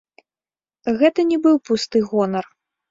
Гэта не быў пусты гонар.